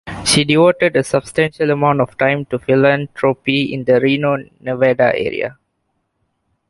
She devoted a substantial amount of time to philanthropy in the Reno, Nevada area.